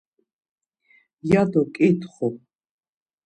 ya do ǩitxu.